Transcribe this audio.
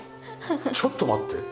ちょっと待って。